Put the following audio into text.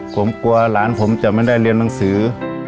ผมกลัวหลานผมจะไม่ได้เรียนหนังสือ